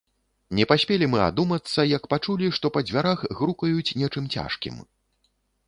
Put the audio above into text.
Не паспелі мы адумацца, як пачулі, што па дзвярах грукаюць нечым цяжкім.